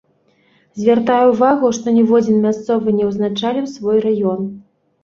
Звяртае ўвагу, што ніводзін мясцовы не ўзначаліў свой раён.